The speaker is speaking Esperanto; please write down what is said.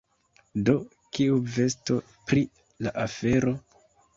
Do, kiu vetos pri la afero?